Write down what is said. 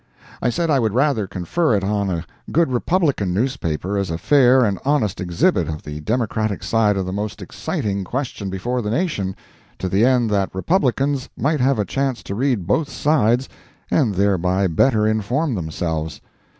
I said I would rather confer it on a good Republican newspaper as a fair and honest exhibit of the Democratic side of the most exciting question before the nation, to the end that Republicans might have a chance to read both sides and thereby better inform themselves.